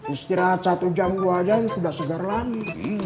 istirahat satu jam dua jam sudah segar lagi